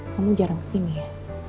kamu jarang kesini ya